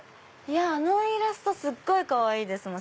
あのイラストすっごいかわいいですもん。